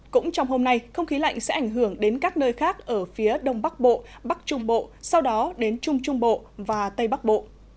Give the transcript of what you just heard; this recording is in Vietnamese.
cũng trong hôm nay không khí lạnh sẽ ảnh hưởng đến các nơi khác ở phía đông bắc bộ bắc trung bộ sau đó đến trung trung bộ và tây bắc bộ